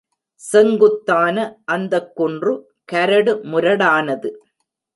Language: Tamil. செங்குத்தான அந்தக் குன்று கரடுமுரடானது.